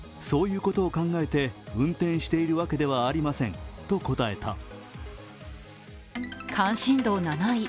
そういうことを考えて運転しているわけではありませんと答えた。